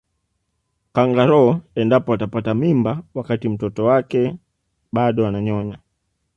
kangaroo endapo atapata mimba wakati mtoto wake bado ananyonya